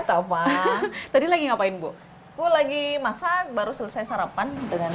oh baru lagi beres kan